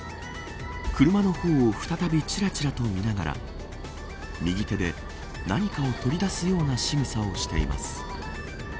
車の方を再びちらちらと見ながら右手で何かを取り出すようなしぐさをしています。